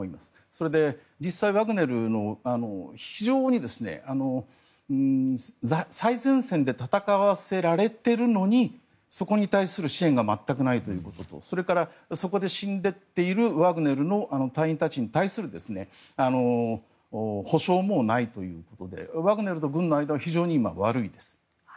それで実際、ワグネルの非常に最前線で戦わせられているのにそこに対する支援が全くないということとそれからそこで死んでいっているワグネルの隊員たちに対する補償もないということでワグネルと軍の間は非常に今、悪いです。